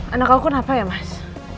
anak aku kenapa ya mas